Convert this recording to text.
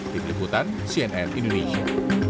di peliputan cnn indonesia